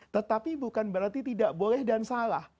tetapi bukan berarti tidak boleh dan salah